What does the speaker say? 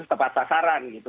setepat sasaran gitu ya